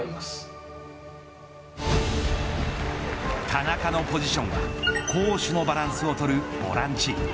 田中のポジションは攻守のバランスを取るボランチ。